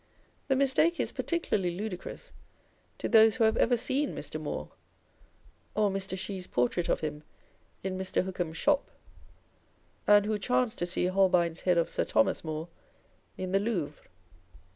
The mistake is par ticularly ludicrous to those who have ever seen Mr. Moore, or Mr. Shee's portrait of him in Mr. Hook ham's shop, and who chance to see Holbein's head of Sir Thomas More in the Louvre.